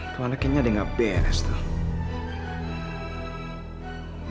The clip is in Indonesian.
tuh anaknya udah nggak beres tuh